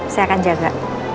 saya akan jaga